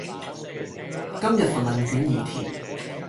今日份問卷已填